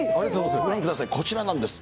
ご覧ください、こちらなんです。